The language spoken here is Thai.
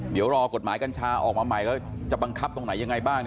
เดี๋ยวรอกฎหมายกัญชาออกมาใหม่แล้วจะบังคับตรงไหนยังไงบ้าง